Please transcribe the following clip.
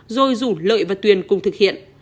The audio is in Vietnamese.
rồi rủ lợi và tuyền cùng thực hiện